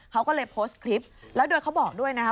เขาก็เลยโพสต์คลิปแล้วโดยเขาบอกด้วยนะคะ